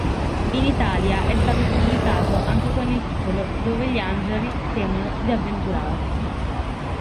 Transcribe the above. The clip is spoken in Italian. In Italia è stato pubblicato anche con il titolo Dove gli angeli temono d'avventurarsi.